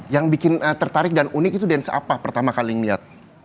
yang bikin tertarik dan unik itu dance apa pertama kali ngeliat